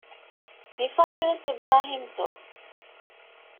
މި ފަހަރު ވެސް އިބްރާހީމްތޯ؟